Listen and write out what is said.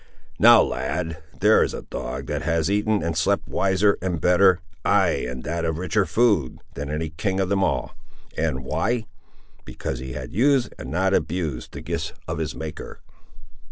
Now, lad, there is a dog that has eaten and slept wiser and better, ay, and that of richer food, than any king of them all! and why? because he has used and not abused the gifts of his Maker.